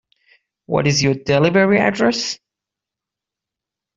What is your delivery address?